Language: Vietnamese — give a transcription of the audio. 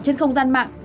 hoạt động âm thầm